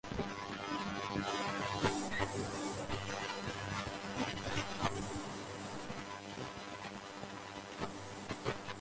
His research considers colloidal inorganic nanocrystals for biological imaging and sensing.